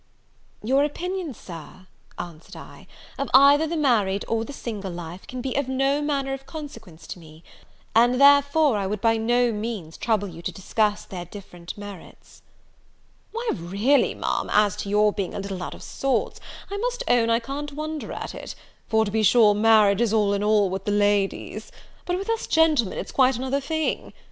"Your opinion, Sir," answered I, "of either the married or the single life, can be of no manner of consequence to me; and therefore I would by no means trouble you to discuss their different merits." "Why, really, Ma'am, as to your being a little out of sorts, I must own I can't wonder at it; for, to be sure, marriage is all in all with the ladies; but with us gentlemen it's quite another thing!